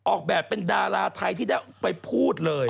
ออกแบบเป็นดาราไทยที่ได้ไปพูดเลย